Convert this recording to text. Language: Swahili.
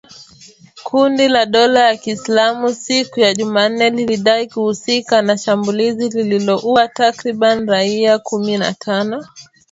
Kundi la dola ya Kiislamu siku ya Jumanne lilidai kuhusika na shambulizi lililoua takribani raia kumi na tano